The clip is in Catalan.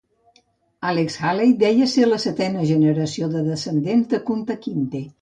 Alex Haley deia ser la setena generació de descendents de Kunta Kinte.